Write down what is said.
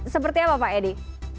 seperti apa pak edi